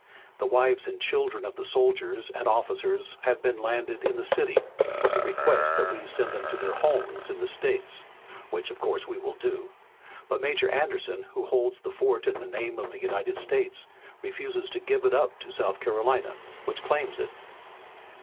The wives and children of the soldiers and officers have been landed in the city with the request that we send them to their homes in the states, which, of course, we will do. But Major Anderson, who holds the fort in the name of the United States, refuses to give it up to South Carolina, which claims it."